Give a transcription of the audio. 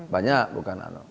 banyak bukan anu